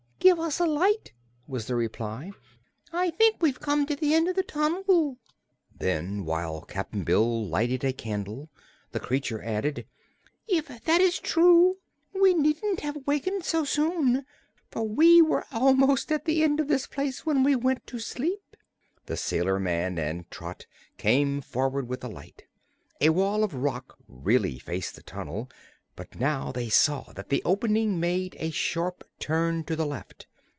"Give us a light," was the reply. "I think we've come to the end of the tunnel." Then, while Cap'n Bill lighted a candle, the creature added: "If that is true, we needn't have wakened so soon, for we were almost at the end of this place when we went to sleep." The sailor man and Trot came forward with a light. A wall of rock really faced the tunnel, but now they saw that the opening made a sharp turn to the left.